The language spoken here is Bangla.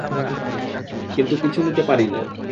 কিন্তু পিছু নিতে পারিনি।